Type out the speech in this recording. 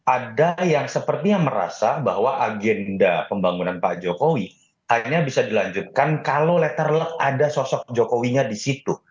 ada yang sepertinya merasa bahwa agenda pembangunan pak jokowi hanya bisa dilanjutkan kalau letter luck ada sosok jokowinya di situ